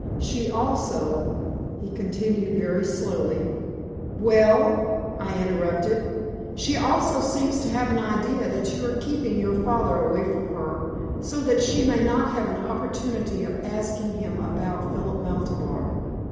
She also " he continued, very slowly. "Well?" I interrupted. "She also seems to have an idea that you are keeping your father away from her so that she may not have an opportunity of asking him about Philip Maltabar.